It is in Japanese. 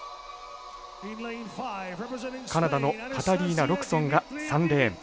カナダのカタリーナ・ロクソンが３レーン。